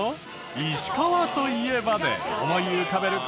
「石川といえば」で思い浮かべる事。